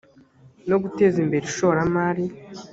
no guteza imbere ishoramari